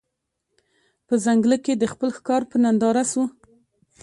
په ځنګله کي د خپل ښکار په ننداره سو